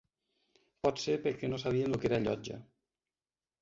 Pot ser perquè no sabien lo que era Llotja